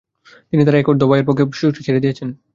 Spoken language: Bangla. তিনি তার এক অর্ধ ভাইয়ের পক্ষে এই সুযোগটি ছেড়ে দিয়েছেন।